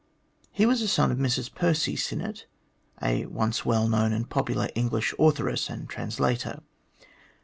He was a son of Mrs Percy Sinnett, a once well known and popular English authoress and translator.